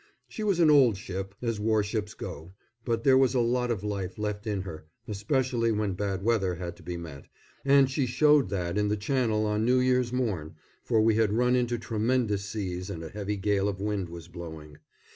She was an old ship, as warships go, but there was a lot of life left in her, especially when bad weather had to be met, and she showed that in the Channel on New Year's morn, for we had run into tremendous seas and a heavy gale of wind was blowing.